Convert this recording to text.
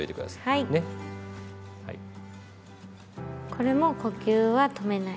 これも呼吸は止めない。